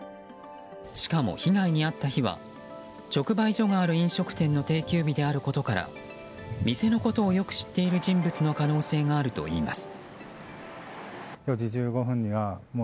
しかも、被害に遭った日は直売所がある飲食店の定休日であることから店のことをよく知っている人物の可能性があるといいます。